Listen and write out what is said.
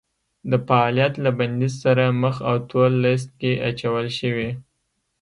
د فعالیت له بندیز سره مخ او تور لیست کې اچول شوي